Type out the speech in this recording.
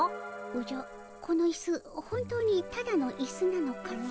おじゃこのイス本当にただのイスなのかの？